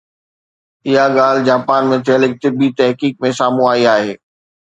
اها ڳالهه جاپان ۾ ٿيل هڪ طبي تحقيق ۾ سامهون آئي آهي